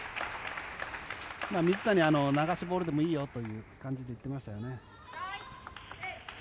水谷は流しボールでもいいよという感じで言っていましたね。